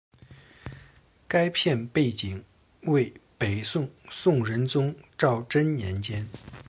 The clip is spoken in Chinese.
该片背景为北宋宋仁宗赵祯年间。